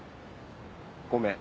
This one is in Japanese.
ごめん。